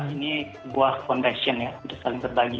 ini buah foundation ya untuk saling berbagi